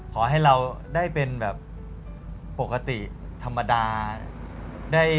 ขอให้เราได้เป็นแบบปกติธรรมดา